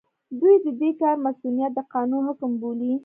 دوی د دې کار مصؤنيت د قانون حکم بولي.